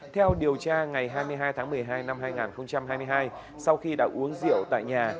theo điều tra ngày hai mươi hai tháng một mươi hai năm hai nghìn hai mươi hai sau khi đã uống rượu tại nhà